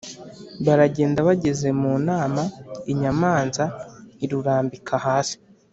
baragenda bageze mu nama, inyamanza irurambika hasi,